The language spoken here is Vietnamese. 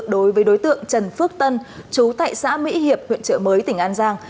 đối với đối tượng trần phước tân chú tại xã mỹ hiệp huyện trợ mới tỉnh an giang